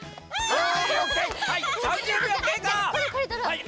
はい！